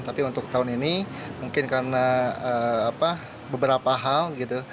tapi untuk tahun ini mungkin karena beberapa hal gitu